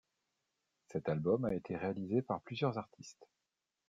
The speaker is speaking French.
Cet album a été réalisé par plusieurs artistes.